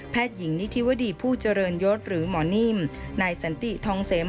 หญิงนิธิวดีผู้เจริญยศหรือหมอนิ่มนายสันติทองเสม